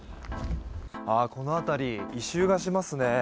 この辺り、異臭がしますね。